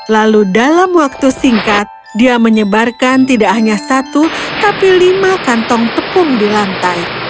lalu dalam waktu singkat dia menyebarkan tidak hanya satu tapi lima kantong tepung di lantai